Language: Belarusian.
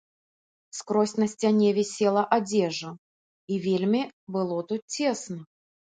Скрозь на сцяне вісела адзежа, і вельмі было тут цесна.